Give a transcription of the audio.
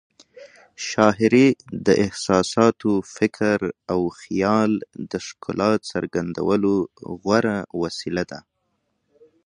شاعري د احساساتو، فکر او خیال د ښکلا څرګندولو غوره وسیله ده.